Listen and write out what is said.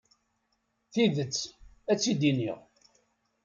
Tidet, ad tt-id-iniɣ.